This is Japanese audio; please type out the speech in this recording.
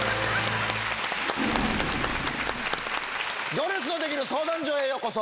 『行列のできる相談所』へようこそ。